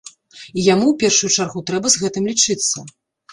І яму ў першую чаргу трэба з гэтым лічыцца.